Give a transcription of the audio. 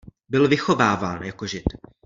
Byl vychováván jako Žid.